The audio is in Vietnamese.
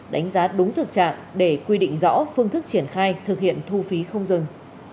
đánh giá đúng thực trạng để quy định rõ phương thức triển khai thực hiện thu phí không dừng